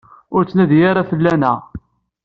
Ur ttnadi ara fell-aneɣ.